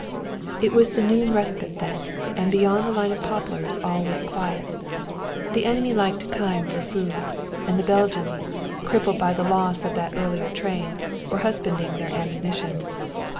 It was the noon respite then, and beyond the line of poplars all was quiet. The enemy liked time for foods and the Belgians crippled by the loss of that earlier train, were husbanding their ammunition.